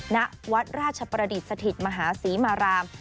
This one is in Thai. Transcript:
ณวัดราชประดิษฐ์สถิตมหาศรีมาราม